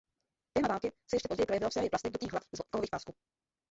Téma války se ještě později projevilo v sérii plastik dutých hlav z kovových pásků.